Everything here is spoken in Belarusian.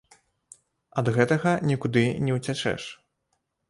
Ад гэтага нікуды не уцячэш.